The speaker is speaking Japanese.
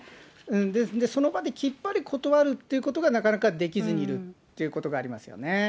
で、その場できっぱり断るってことが、なかなかできずにいるということがありますよね。